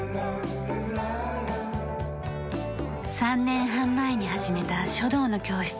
３年半前に始めた書道の教室。